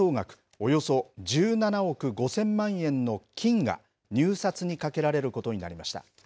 およそ１７億５０００万円の金が入札にかけられることになりました。